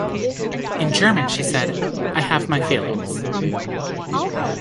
In German she said: 'I have my feelings'.